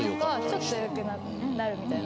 ちょっと良くなるみたいな。